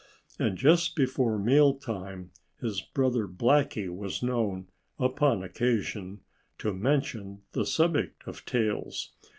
And just before meal time his brother Blackie was known, upon occasion, to mention the subject of tails.